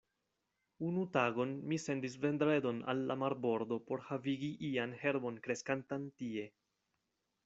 Unu tagon mi sendis Vendredon al la marbordo por havigi ian herbon kreskantan tie.